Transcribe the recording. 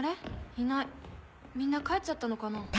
いないみんな帰っちゃったのかな。